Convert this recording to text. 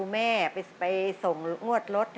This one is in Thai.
มีเป่าให้ด้วย